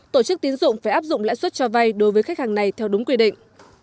tổ chức tín dụng phải áp dụng lãi suất cho vay đối với khách hàng này theo đúng quy định